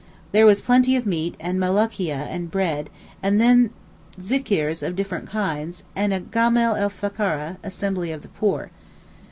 There was plenty of meat and melocheea and bread; and then zikrs of different kinds, and a Gama el Fokara (assembly of the poor).